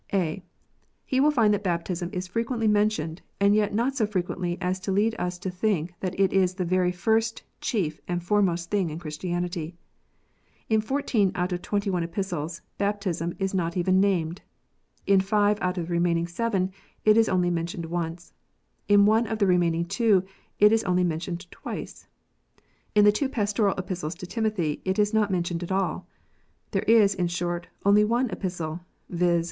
(a) He will find that baptism is frequently mentioned, and yet not so frequently as to lead us to think that it is the very first, chief, and foremost thing in Christianity. In fourteen out of twenty one Epistles, baptism is not even named. In five out of the remaining seven, it is only mentioned once. In one of the remaining two, it is only mentioned twice. In the two pastoral Epistles to Timothy it is not mentioned at all. There is, in short, only one Epistle, viz.